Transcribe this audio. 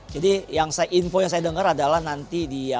jadi info yang saya dengar adalah nanti di